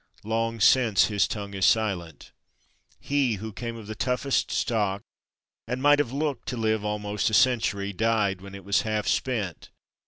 Long since his tongue is silent. He who came of the toughest stock and might have looked to live almost a century, died when it was half spent.